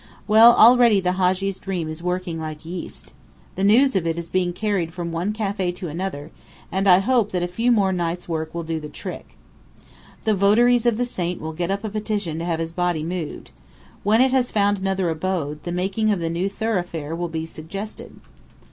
Well, already the Hadji's dream is working like yeast. The news of it is being carried from one café to another; and I hope that a few more nights' work will do the trick. The votaries of the saint will get up a petition to have his body moved. When it has found another abode, the making of the new thoroughfare will be suggested."